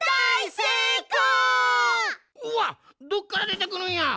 うわっどっからでてくるんや！